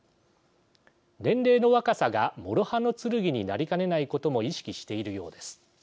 年齢の若さがもろ刃の剣になりかねないことも意識しているようです。